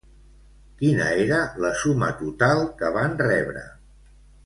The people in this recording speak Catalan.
Quina era la suma total que van rebre?